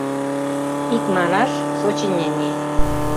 Икманаш, сочинений.